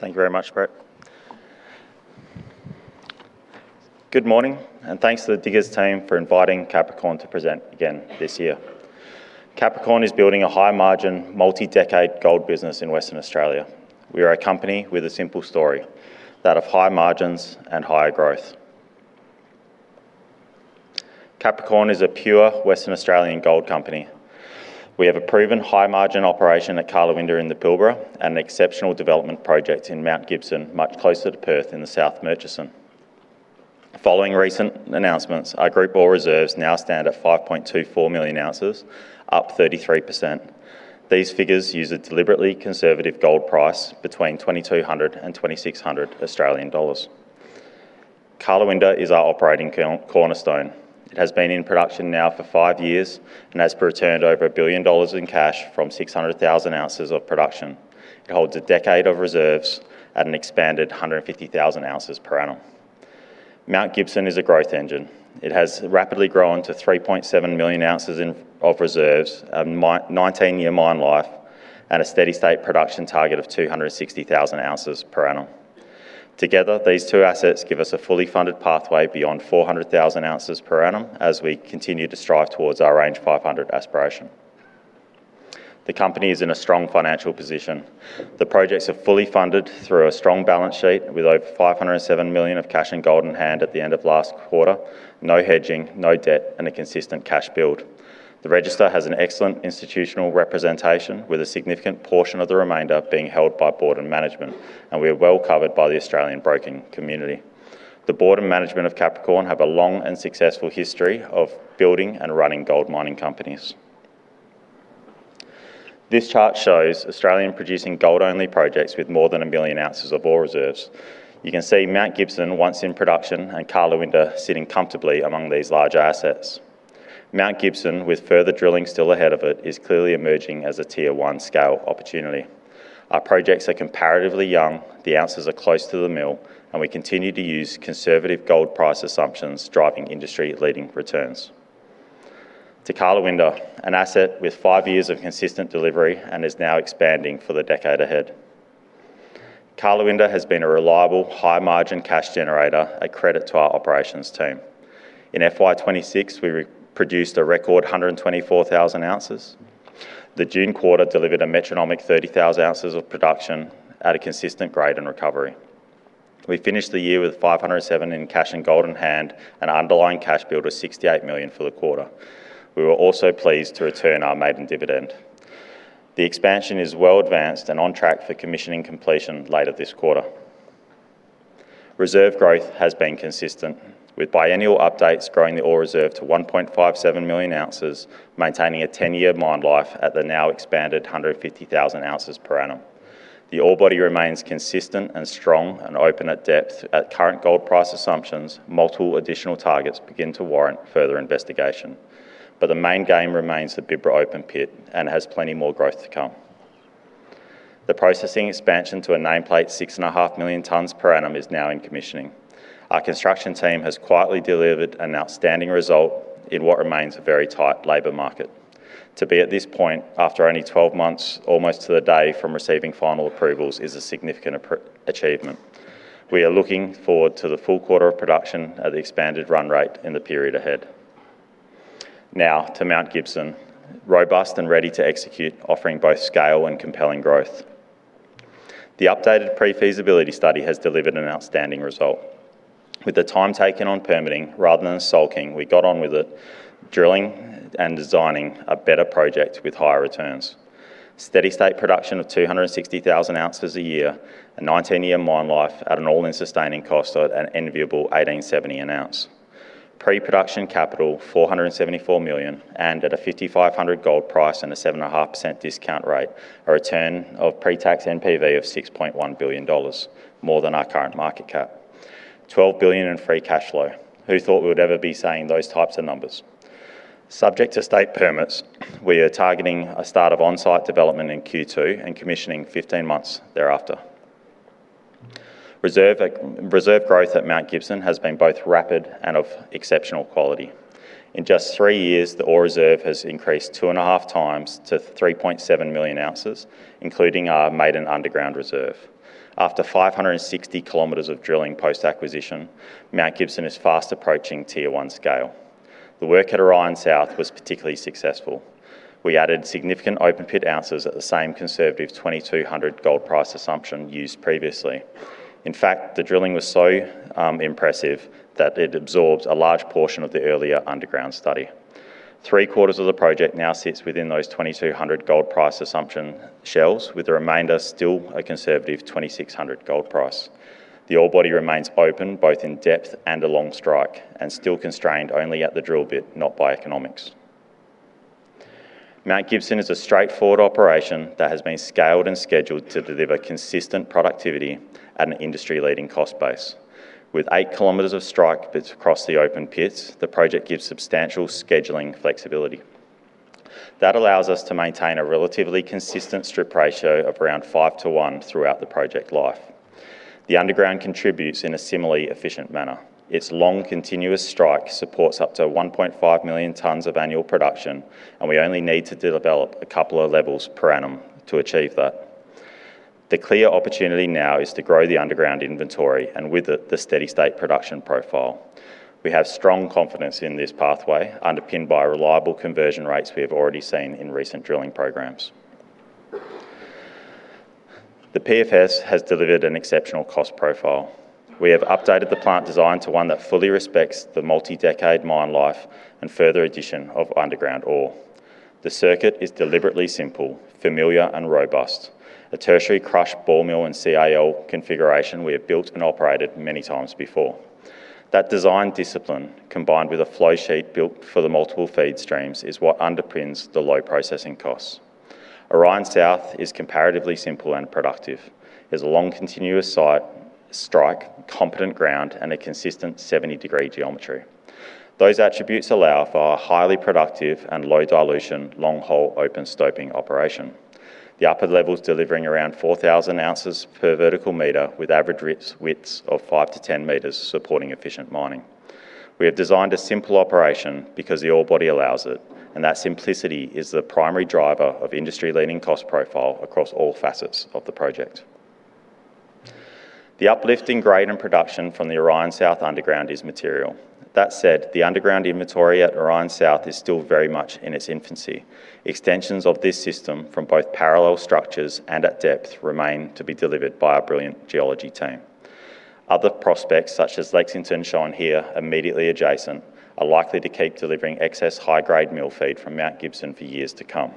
Thank you very much, Brett. Good morning, and thanks to the Diggers team for inviting Capricorn to present again this year. Capricorn is building a high margin, multi-decade gold business in Western Australia. We are a company with a simple story, that of high margins and higher growth. Capricorn is a pure Western Australian gold company. We have a proven high margin operation at Karlawinda in the Pilbara and an exceptional development project in Mount Gibson, much closer to Perth in the South Murchison. Following recent announcements, our group ore reserves now stand at 5.24 million ounces, up 33%. These figures use a deliberately conservative gold price between 2,200 Australian dollars and 2,600 Australian dollars. Karlawinda is our operating cornerstone. It has been in production now for five years and has returned over 1 billion dollars in cash from 600,000 oz of production. It holds a decade of reserves at an expanded 150,000 oz per annum. Mount Gibson is a growth engine. It has rapidly grown to 3.7 million ounces of reserves, a 19-year mine life, and a steady state production target of 260,000 oz per annum. Together, these two assets give us a fully funded pathway beyond 400,000 oz per annum as we continue to strive towards our Range 500 aspiration. The company is in a strong financial position. The projects are fully funded through a strong balance sheet with over 507 million of cash and gold in hand at the end of last quarter, no hedging, no debt, and a consistent cash build. The register has an excellent institutional representation with a significant portion of the remainder being held by board and management, and we are well covered by the Australian broking community. The board and management of Capricorn have a long and successful history of building and running gold mining companies. This chart shows Australian producing gold-only projects with more than 1 million ounces of ore reserves. You can see Mount Gibson once in production and Karlawinda sitting comfortably among these larger assets. Mount Gibson, with further drilling still ahead of it, is clearly emerging as a tier 1 scale opportunity. Our projects are comparatively young, the ounces are close to the mill, and we continue to use conservative gold price assumptions driving industry-leading returns. To Karlawinda, an asset with five years of consistent delivery and is now expanding for the decade ahead. Karlawinda has been a reliable, high margin cash generator, a credit to our operations team. In FY 2026, we produced the record 124,000 oz. The June quarter delivered a metronomic 30,000 oz of production at a consistent grade and recovery. We finished the year with 507 million in cash and gold in hand and underlying cash build of 68 million for the quarter. We were also pleased to return our maiden dividend. The expansion is well advanced and on track for commissioning completion later this quarter. Reserve growth has been consistent with biannual updates growing the ore reserve to 1.57 million ounces, maintaining a 10-year mine life at the now expanded 150,000 oz per annum. The ore body remains consistent and strong and open at depth. At current gold price assumptions, multiple additional targets begin to warrant further investigation. The main game remains the Bibra open pit and has plenty more growth to come. The processing expansion to a nameplate 6.5 million tonnes per annum is now in commissioning. Our construction team has quietly delivered an outstanding result in what remains a very tight labor market. To be at this point after only 12 months, almost to the day from receiving final approvals is a significant achievement. We are looking forward to the full quarter of production at the expanded run rate in the period ahead. Now to Mount Gibson, robust and ready to execute, offering both scale and compelling growth. The updated prefeasibility study has delivered an outstanding result. With the time taken on permitting rather than sulking, we got on with the drilling and designing a better project with higher returns. Steady state production of 260,000 oz a year, a 19-year mine life at an all-in sustaining cost at an enviable 1,870 an ounce. Pre-production capital 474 million, at a 5,500 gold price and a 7.5% discount rate, a return of pre-tax NPV of 6.1 billion dollars, more than our current market cap. 12 billion in free cash flow. Who thought we would ever be saying those types of numbers? Subject to state permits, we are targeting a start of on-site development in Q2 and commissioning 15 months thereafter. Reserve growth at Mount Gibson has been both rapid and of exceptional quality. In just three years, the ore reserve has increased two and a half times to 3.7 million ounces, including our maiden underground reserve. After 560 km of drilling post-acquisition, Mount Gibson is fast approaching tier 1 scale. The work at Orion South was particularly successful. We added significant open pit ounces at the same conservative 2,200 gold price assumption used previously. In fact, the drilling was so impressive that it absorbs a large portion of the earlier underground study. Three-quarters of the project now sits within those 2,200 gold price assumption shells, with the remainder still a conservative 2,600 gold price. The ore body remains open, both in depth and along strike, and still constrained only at the drill bit, not by economics. Mount Gibson is a straightforward operation that has been scaled and scheduled to deliver consistent productivity at an industry-leading cost base. With 8 km of strike bits across the open pits, the project gives substantial scheduling flexibility. That allows us to maintain a relatively consistent strip ratio of around 5:1 throughout the project life. The underground contributes in a similarly efficient manner. Its long, continuous strike supports up to 1.5 million tonnes of annual production. We only need to develop a couple of levels per annum to achieve that. The clear opportunity now is to grow the underground inventory and with it, the steady state production profile. We have strong confidence in this pathway, underpinned by reliable conversion rates we have already seen in recent drilling programs. The PFS has delivered an exceptional cost profile. We have updated the plant design to one that fully respects the multi-decade mine life and further addition of underground ore. The circuit is deliberately simple, familiar, and robust. A tertiary crush ball mill and CIL configuration we have built and operated many times before. That design discipline, combined with a flow sheet built for the multiple feed streams, is what underpins the low processing costs. Orion South is comparatively simple and productive. It is a long, continuous site strike, competent ground, and a consistent 70-degree geometry. Those attributes allow for a highly productive and low-dilution, long-hole, open stoping operation. The upper levels delivering around 4,000 oz per vertical meter with average widths of 5-10 m supporting efficient mining. We have designed a simple operation because the ore body allows it. That simplicity is the primary driver of industry-leading cost profile across all facets of the project. The uplift in grade and production from the Orion South underground is material. That said, the underground inventory at Orion South is still very much in its infancy. Extensions of this system from both parallel structures and at depth remain to be delivered by our brilliant geology team. Other prospects, such as Lexington, shown here, immediately adjacent, are likely to keep delivering excess high-grade mill feed from Mount Gibson for years to come.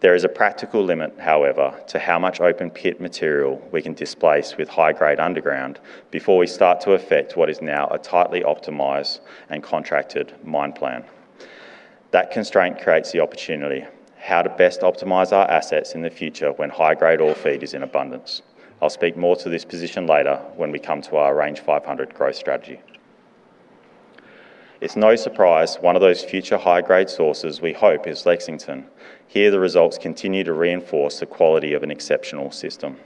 There is a practical limit, however, to how much open pit material we can displace with high-grade underground before we start to affect what is now a tightly optimized and contracted mine plan. That constraint creates the opportunity. How to best optimize our assets in the future when high-grade ore feed is in abundance. I will speak more to this position later when we come to our Range 500 growth strategy. It's no surprise one of those future high-grade sources, we hope, is Lexington. Here, the results continue to reinforce the quality of an exceptional system.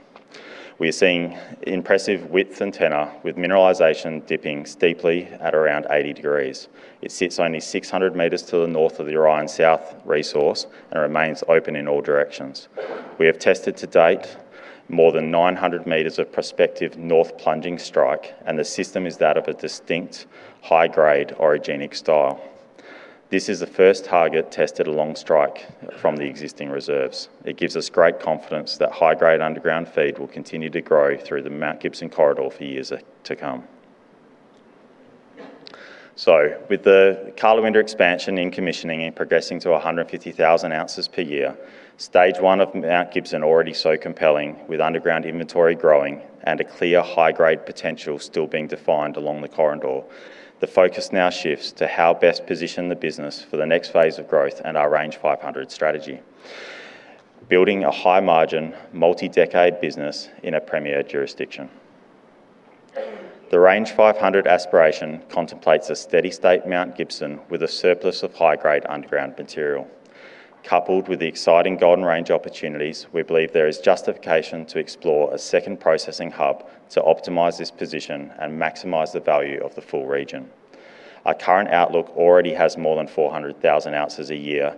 We are seeing impressive width and tenor with mineralization dipping steeply at around 80 degrees. It sits only 600 m to the north of the Orion South resource and remains open in all directions. We have tested to date more than 900 m of prospective north-plunging strike. The system is that of a distinct high-grade orogenic style. This is the first target tested along strike from the existing reserves. It gives us great confidence that high-grade underground feed will continue to grow through the Mount Gibson corridor for years to come. With the Karlawinda expansion in commissioning and progressing to 150,000 oz per year, Stage 1 of Mount Gibson already so compelling with underground inventory growing and a clear high-grade potential still being defined along the corridor. The focus now shifts to how best position the business for the next phase of growth and our Range 500 strategy. Building a high-margin, multi-decade business in a premier jurisdiction. The Range 500 aspiration contemplates a steady state Mount Gibson with a surplus of high-grade underground material. Coupled with the exciting Golden Range opportunities, we believe there is justification to explore a second processing hub to optimize this position and maximize the value of the full region. Our current outlook already has more than 400,000 oz a year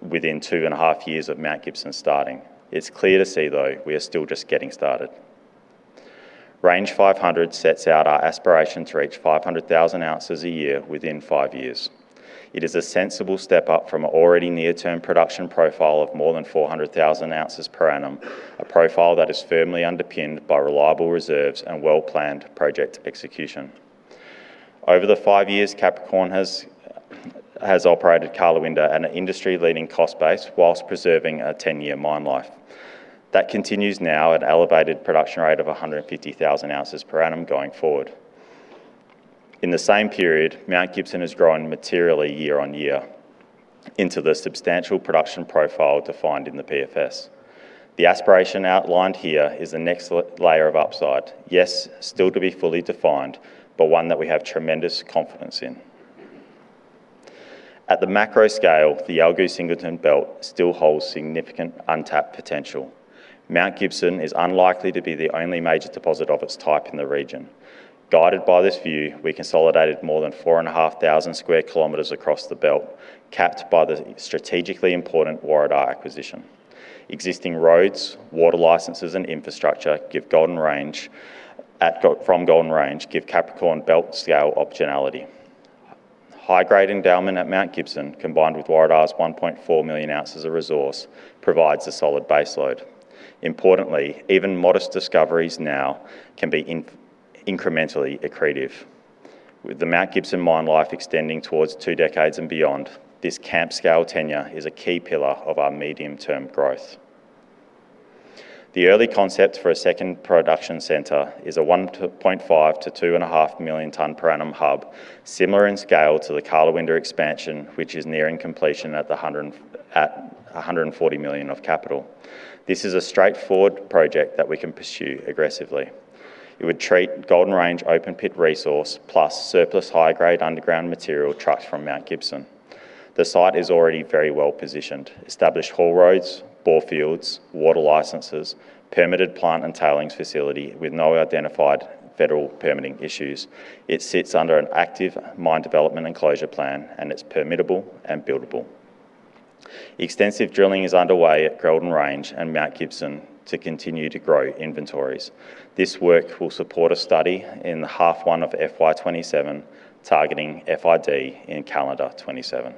within two and a half years of Mount Gibson starting. It is clear to see, though, we are still just getting started. Range 500 sets out our aspiration to reach 500,000 oz a year within five years. It is a sensible step-up from an already near-term production profile of more than 400,000 oz per annum, a profile that is firmly underpinned by reliable reserves and well-planned project execution. Over the five years, Capricorn has operated Karlawinda at an industry-leading cost base whilst preserving a 10-year mine life. That continues now at elevated production rate of 150,000 oz per annum going forward. In the same period, Mount Gibson has grown materially year-on-year into the substantial production profile defined in the PFS. The aspiration outlined here is the next layer of upside. Yes, still to be fully defined, but one that we have tremendous confidence in. At the macro scale, the Yalgoo-Singleton Belt still holds significant untapped potential. Mount Gibson is unlikely to be the only major deposit of its type in the region. Guided by this view, we consolidated more than 4,500 sq km across the belt, capped by the strategically important Waratah acquisition. Existing roads, water licenses, and infrastructure from Golden Range give Capricorn belt-scale optionality. High-grade endowment at Mount Gibson, combined with Waratah's 1.4 million ounces of resource, provides a solid base load. Importantly, even modest discoveries now can be incrementally accretive. With the Mount Gibson mine life extending towards two decades and beyond, this camp-scale tenure is a key pillar of our medium-term growth. The early concept for a second production center is a 1.5 to 2.5 million tonne per annum hub, similar in scale to the Karlawinda expansion, which is nearing completion at 140 million of capital. This is a straightforward project that we can pursue aggressively. It would treat Golden Range open pit resource plus surplus high-grade underground material trucks from Mount Gibson. The site is already very well-positioned: established haul roads, bore fields, water licenses, permitted plant and tailings facility with no identified federal permitting issues. It sits under an active mine development and closure plan, and it's permittable and buildable. Extensive drilling is underway at Golden Range and Mount Gibson to continue to grow inventories. This work will support a study in the half one of FY 2027 targeting FID in calendar 2027.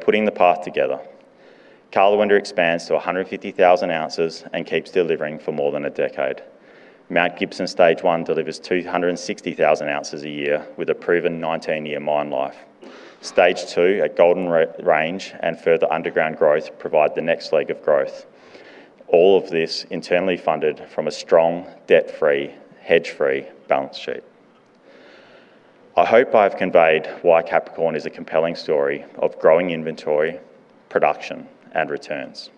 Putting the path together, Karlawinda expands to 150,000 oz and keeps delivering for more than a decade. Mount Gibson Stage 1 delivers 260,000 oz a year with a proven 19-year mine life. Stage 2 at Golden Range and further underground growth provide the next leg of growth. All of this internally funded from a strong, debt-free, hedge-free balance sheet. I hope I've conveyed why Capricorn is a compelling story of growing inventory, production, and returns.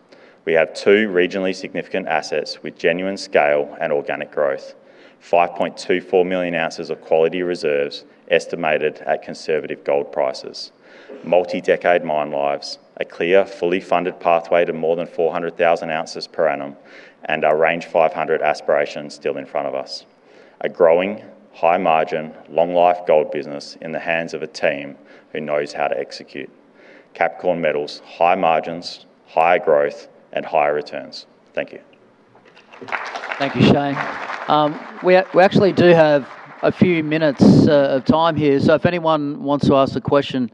We have two regionally significant assets with genuine scale and organic growth, 5.24 million ounces of quality reserves estimated at conservative gold prices, multi-decade mine lives, a clear, fully funded pathway to more than 400,000 oz per annum, and our Range 500 aspiration still in front of us. A growing, high-margin, long-life gold business in the hands of a team who knows how to execute. Capricorn Metals, high margins, higher growth, and higher returns. Thank you. Thank you, Shane. We actually do have a few minutes of time here. If anyone wants to ask a question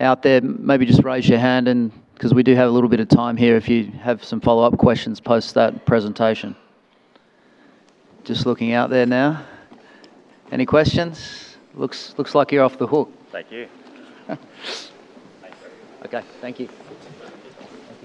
out there, maybe just raise your hand. Because we do have a little bit of time here, if you have some follow-up questions post that presentation. Just looking out there now. Any questions? Looks like you're off the hook. Thank you. Okay. Thank you.